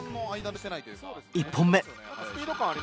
１本目。